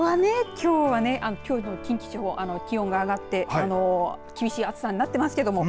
きょうはね近畿地方気温が上がって厳しい暑さになってますけども。